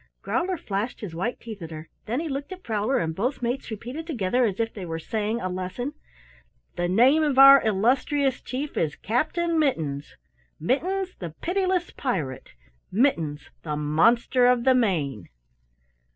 Growler flashed his white teeth at her. Then he looked at Prowler and both mates repeated together as if they were saying a lesson: "The name of our illustrious Chief is Captain Mittens Mittens, the Pitiless Pirate Mittens, the Monster of the Main!"